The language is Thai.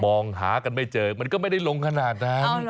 มองหากันไม่เจอมันก็ไม่ได้ลงขนาดนั้น